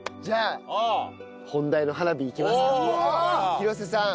廣瀬さん